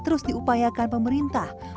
terus diupayakan pemerintah